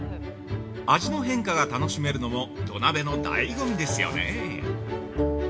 味の変化が楽しめるのも土鍋のだいご味ですよね。